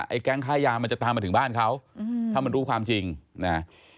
แก๊งค่ายามันจะตามมาถึงบ้านเขาถ้ามันรู้ความจริงนะ